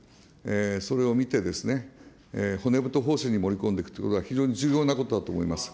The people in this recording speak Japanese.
それを見て、骨太方針に盛り込んでいくということは非常に重要なことだと思います。